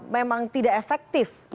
memang tidak efektif